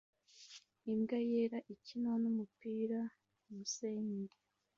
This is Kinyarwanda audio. Imbwa yera ikina numupira kumusenyi